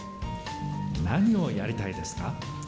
何をやりたいですか？